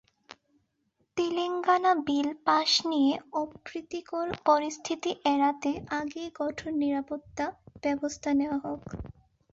Telangana bill pass নিয়ে অপ্রীতিকর পরিস্থিতি এড়াতে আগেই কঠোর নিরাপত্তা ব্যবস্থা নেওয়া হয়।